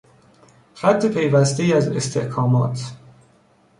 خط پیوستهای از استحکامات